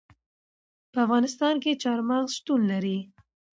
په افغانستان کې چار مغز شتون لري.